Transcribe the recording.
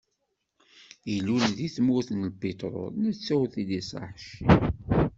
Ilul deg tmurt n lpiṭrul netta ur t-id-iṣaḥ ci.